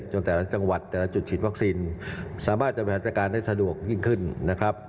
แต่ละจังหวัดแต่ละจุดฉีดวัคซีนสามารถจะบริหารจัดการได้สะดวกยิ่งขึ้นนะครับ